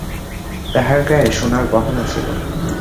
তাহার গায়ে সোনার গহনা ছিল।